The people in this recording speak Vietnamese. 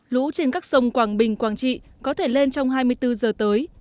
lũ trên các sông quảng bình quảng trị có thể lên trong hai mươi bốn giờ tới